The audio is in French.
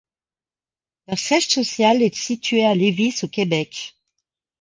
Leur siège social est situé à Lévis, au Québec.